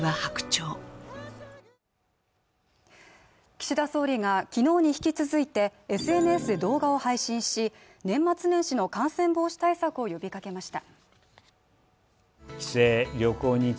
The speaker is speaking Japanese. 岸田総理が昨日に引き続いてＳＮＳで動画を配信し、年末年始の感染防止対策を呼びかけました。